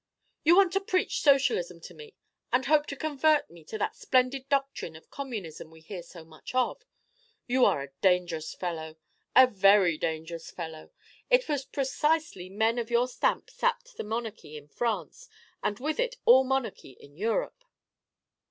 "You want to preach socialism to me, and hope to convert me to that splendid doctrine of communism we hear so much of. You are a dangerous fellow, a very dangerous fellow. It was precisely men of your stamp sapped the monarchy in France, and with it all monarchy in Europe."